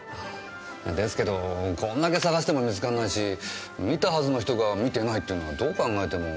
ですけどこれだけ捜しても見つからないし見たはずの人が見てないっていうのはどう考えても。